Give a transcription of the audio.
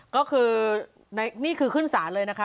ก็คือนี่คือขึ้นศาลเลยนะคะ